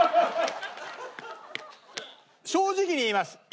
正直に言います。